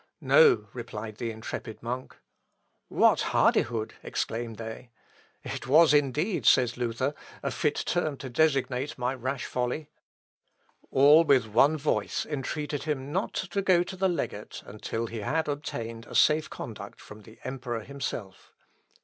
"No!" replied the intrepid monk. "What hardihood!" exclaimed they. "It was, indeed," says Luther, "a fit term to designate my rash folly." All with one voice entreated him not to go to the legate until he had obtained a safe conduct from the Emperor himself.